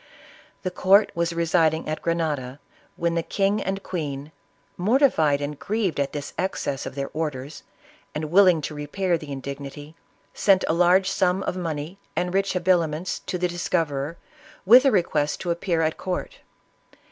The court was residing at Grenada, when the king and queen, morti fied and grieved at this excess of their orders, and will ing to repair the indignity, sent a large sum of money ISABELLA OF CASTILE. 125 and rich habiliments to the discoverer, with a request to appear at court.